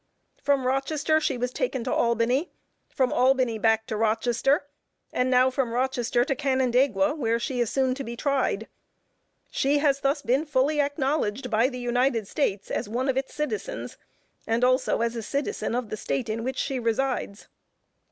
From Rochester she was taken to Albany, from Albany back to Rochester, and now from Rochester to Canandaigua, where she is soon to be tried. She has thus been fully acknowledged by the United States as one of its citizens, and also as a citizen of the State in which she resides.